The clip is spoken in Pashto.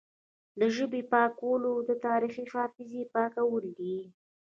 له ژبې یې پاکول د تاریخي حافظې پاکول دي